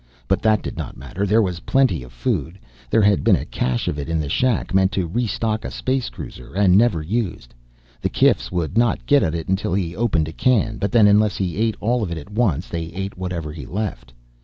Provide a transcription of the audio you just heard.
But that did not matter; there was plenty of food. There had been a cache of it in the shack, meant to restock a space cruiser, and never used. The kifs would not get at it until he opened a can, but then, unless he ate it all at once, they ate whatever he left.